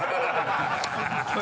ハハハ